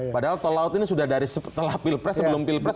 padahal tol laut ini sudah dari setelah pilpres sebelum pilpres